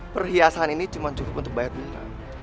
perhiasan ini cuman cukup untuk bayar duit